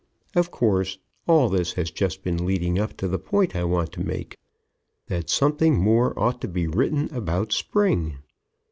Of course, all this has just been leading up to the point I want to make, that something more ought to be written about Spring.